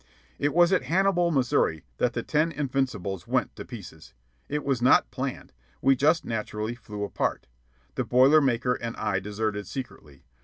It was at Hannibal, Missouri, that the ten invincibles went to pieces. It was not planned. We just naturally flew apart. The Boiler Maker and I deserted secretly.